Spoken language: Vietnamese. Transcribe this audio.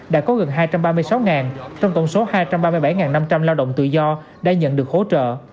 đã có gần hai trăm ba mươi sáu trong tổng số hai trăm ba mươi bảy năm trăm linh lao động tự do đã nhận được hỗ trợ